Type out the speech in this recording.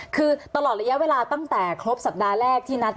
คือตลอดระยะเวลาตั้งแต่ครบสัปดาห์แรกที่นัด